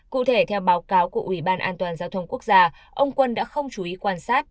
cụ thể theo báo cáo của ủy ban an toàn giao thông quốc gia ông quân đã không chú ý quan sát